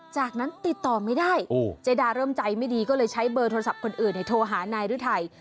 เจดาเริ่มใจไม่ดีก็เลยใช้เบอร์โทรศัพท์คนอื่นให้โทรหานายฤทัย